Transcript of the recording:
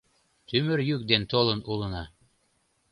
Тӱмыр йӱк ден толын улына.